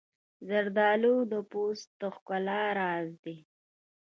زردالو د پوست د ښکلا راز دی.